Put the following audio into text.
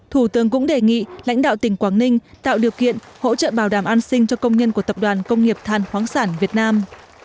thủ tướng cũng đề nghị lãnh đạo tỉnh quảng ninh tạo điều kiện hỗ trợ bảo đảm an sinh cho công nhân của tập đoàn công nghiệp than khoáng sản việt nam